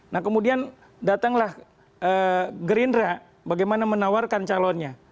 nah kemudian datanglah gerindra bagaimana menawarkan calonnya